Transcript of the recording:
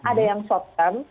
ada yang short term